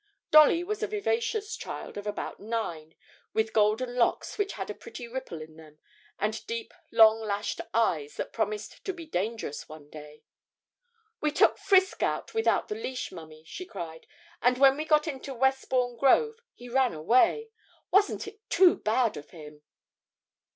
Dolly was a vivacious child of about nine, with golden locks which had a pretty ripple in them, and deep long lashed eyes that promised to be dangerous one day. 'We took Frisk out without the leash, mummy,' she cried, 'and when we got into Westbourne Grove he ran away. Wasn't it too bad of him?'